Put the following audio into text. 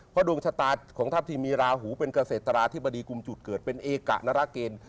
เพราะดวงชะตาของทัพที่มีราหูเป็นเกษตราธิบดีกลุ่มจุดเกิดเป็นเอกะนรเกณฑ์